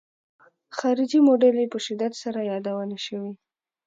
خارجي موډل یې په شدت سره یادونه شوې.